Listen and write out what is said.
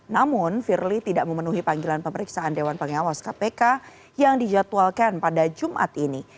namun firly tidak memenuhi panggilan pemeriksaan dewan pengawas kpk yang dijadwalkan pada jumat ini